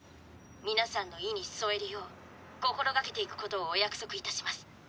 皆さんの意に添えるよう心掛けていくことをお約束いたします。